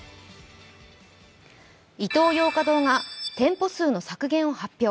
イトーヨーカドーが店舗数の削減を発表。